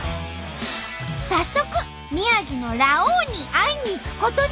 早速宮城のラオウに会いにいくことに。